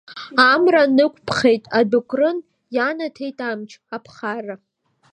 Амра нықәԥхеит, адәыкрын ианаҭеит амч, аԥхарра.